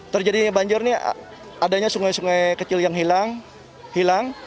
terjadi banjir ini adanya sungai sungai kecil yang hilang